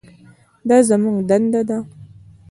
دا زموږ دنده ده.